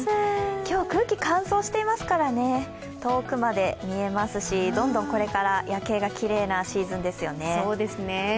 今日、空気が乾燥していますから遠くまで見えますし、どんどんこれから夜景がきれいなシーズンですよね。